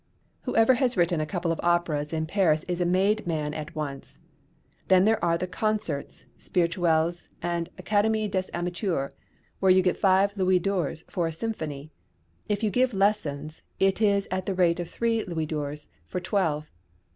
Whoever has written a couple of operas in Paris is a made man at once; then there are the Concerts Spirituels, and the Académie des Amateurs, where you get five louis d'ors for a symphony. If you give lessons, it is at the rate of three louis d'ors for twelve.